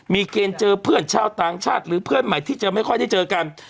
มีเกณฑ์เจอเพื่อนชาวต่างชาติหรือเพื่อนใหม่ที่เจอไม่ค่อยได้เจอกัน